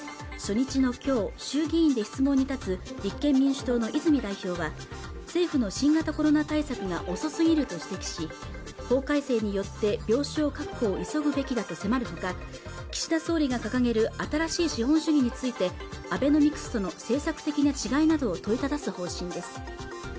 初日のきょう衆議院で質問に立つ立憲民主党の泉代表は政府の新型コロナ対策が遅すぎると指摘し法改正によって病床確保を急ぐべきだと迫るほか岸田総理が掲げる新しい資本主義についてアベノミクスの政策的な違いなどを問いただす方針です